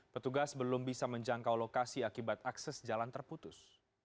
petugas belum bisa menjangkau lokasi akibat akses jalan terputus